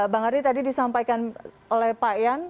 bang ardi tadi disampaikan oleh pak yan